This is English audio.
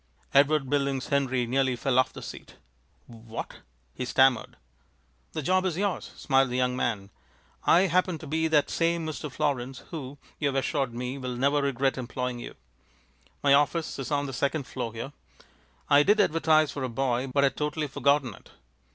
Edward Billings Henry nearly fell off the seat. "W hat?" he stammered. "The job is yours," smiled the young man. "I happen to be that same Mr. Florins who, you have assured me, will never regret employing you. My office is on the second floor here. I did advertise for a boy, but had totally forgotten it."